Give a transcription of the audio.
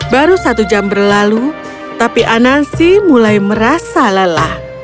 baru satu jam berlalu tapi anansi mulai merasa lelah